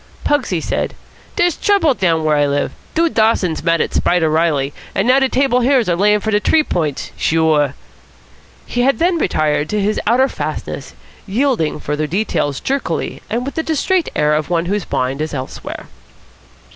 Pugsy said: "Dere's trouble down where I live. Dude Dawson's mad at Spider Reilly, an' now de Table Hills are layin' for de T'ree Points. Sure." He had then retired to his outer fastness, yielding further details jerkily and with the distrait air of one whose mind is elsewhere.